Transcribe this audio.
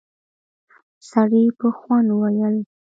سړي په خوند وويل: